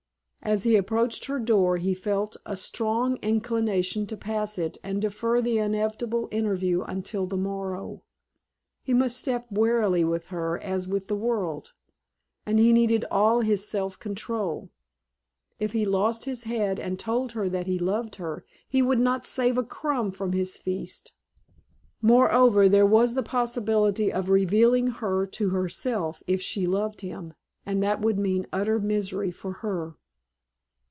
As he approached her door he felt a strong inclination to pass it and defer the inevitable interview until the morrow. He must step warily with her as with the world, and he needed all his self control. If he lost his head and told her that he loved her he would not save a crumb from his feast. Moreover, there was the possibility of revealing her to herself if she loved him, and that would mean utter misery for her.